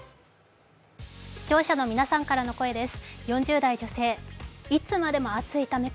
視聴者の皆さんからの声です。